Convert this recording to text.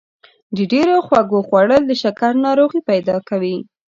د ډېرو خوږو خوړل د شکر ناروغي پیدا کوي.